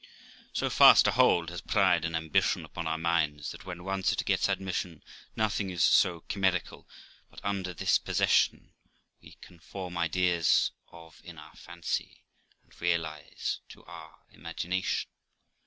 So fast a hold has pride and ambition upon our minds, that when once it gets admission, nothing is so chimerical but, under this possession, we can form ideas of in our fancy, and realize to our imagination.